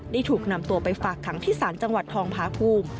ถูกนำตัวไปฝากขังที่ศาลจังหวัดทองพาภูมิ